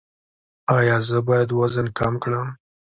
ایا زه باید وزن کم کړم؟